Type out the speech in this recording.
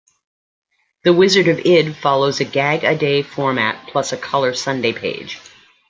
"The Wizard of Id" follows a gag-a-day format, plus a color Sunday page.